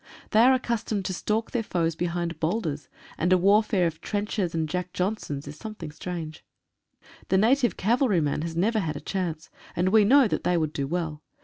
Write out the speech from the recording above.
They are accus tomed to stalk their foes behind boulders, and a warfare of trenches and "Jack Johnsons" is something strange. The native cavalry man has never had a chance, and we know that they would do well.